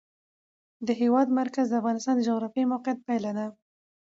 د هېواد مرکز د افغانستان د جغرافیایي موقیعت پایله ده.